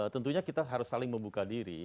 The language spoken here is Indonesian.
tentunya kita harus saling membuka diri